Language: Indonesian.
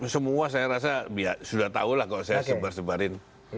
semua saya rasa sudah tahu lah kalau saya sebar sebarin